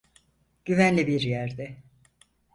Güvenli bir yerde.